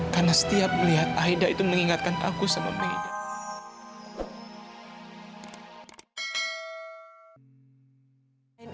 karena setiap melihat aida itu mengingatkan aku sama aida